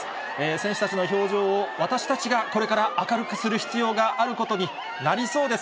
選手たちの表情を私たちがこれから明るくする必要があることになりそうです。